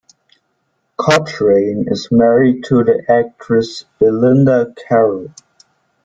Cochrane is married to the actress Belinda Carroll.